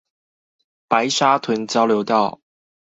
白沙屯交流道